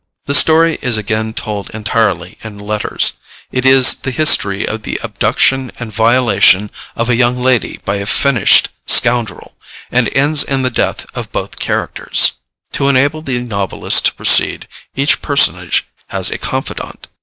The story is again told entirely in letters; it is the history of the abduction and violation of a young lady by a finished scoundrel, and ends in the death of both characters. To enable the novelist to proceed, each personage has a confidant.